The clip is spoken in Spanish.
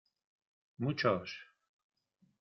¡ muchos!